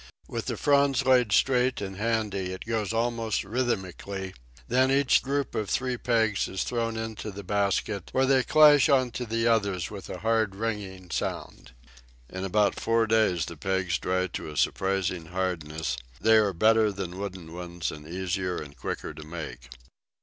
With the fronds laid straight and handy it goes almost rhythmically, then each group of three pegs is thrown into the basket, where they clash on to the others with a hard ringing sound. In about four days the pegs dry to a surprising hardness; they are better than wooden ones, and easier and quicker to make.